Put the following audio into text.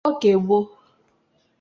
oge gboo.